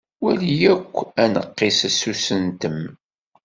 Wali akk aneqqis n usentem.